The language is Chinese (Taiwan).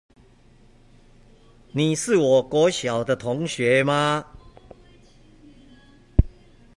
臺南市中華南路